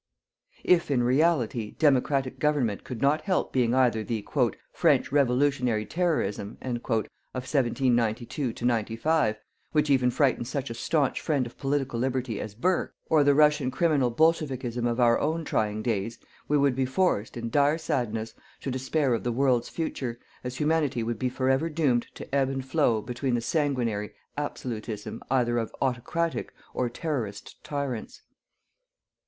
If, in reality, democratic government could not help being either the "French revolutionary terrorism," of 1792 95, which even frightened such a staunch friend of Political Liberty as Burke or the Russian criminal bolshevikism of our own trying days, we would be forced, in dire sadness, to despair of the world's future, as Humanity would be forever doomed to ebb and flow between the sanguinary "absolutism" either of "autocratic" or "terrorist" tyrants.